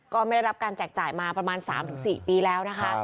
ก็ไม่ได้รับการแจกจ่ายมาประมาณ๓๔ปีแล้วนะคะ